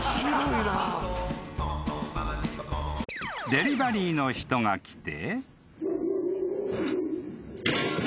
［デリバリーの人が来て］